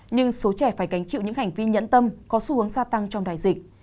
nhưng số trẻ phải gánh chịu những hành vi nhẫn tâm có xu hướng gia tăng trong đại dịch